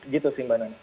gitu sih mbak nana